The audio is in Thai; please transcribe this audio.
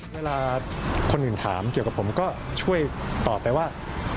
เวลาคนอื่นถามเกี่ยวกับผมก็ช่วยตอบไปว่า